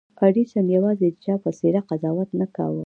ايډېسن يوازې د چا په څېره قضاوت نه کاوه.